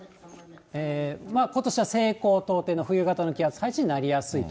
ことしは西高東低の冬型の気圧配置になりやすいと。